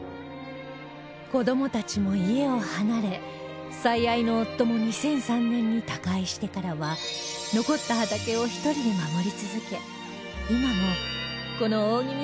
子どもたちも家を離れ最愛の夫も２００３年に他界してからは残った畑を１人で守り続け